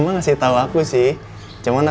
seorang yang waktu dului pembahasan